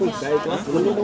yang satu satunya kan